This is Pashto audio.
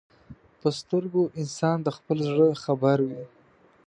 په سترګو انسان د خپل زړه خبر وي